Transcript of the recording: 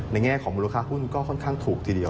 แง่ของมูลค่าหุ้นก็ค่อนข้างถูกทีเดียว